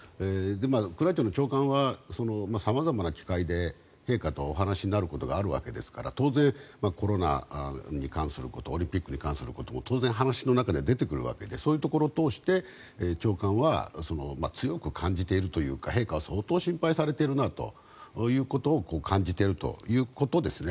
宮内庁長官は様々な機会で陛下とお話になることがあるわけですから当然、コロナに関することオリンピックに関することも当然、話の中で出てくるわけでそういうところを通して長官は強く感じているというか陛下は相当心配されているなということを感じているということですね。